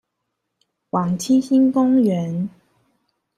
往七星公園